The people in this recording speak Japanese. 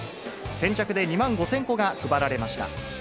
先着で２万５０００個が配られました。